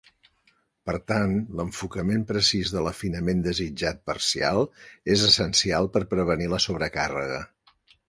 Per tant, l'enfocament precís de l'afinament desitjat parcial és essencial per prevenir la sobrecàrrega.